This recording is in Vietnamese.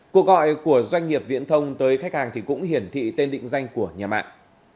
cuộc gọi của doanh nghiệp viễn thông tới khách hàng thì cũng hiển thị tên định danh của nhà mạng